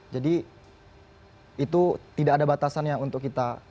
jadi itu tidak ada batasan yang untuk kita